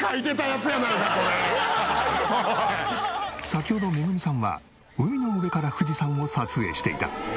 先ほどめぐみさんは海の上から富士山を撮影していた。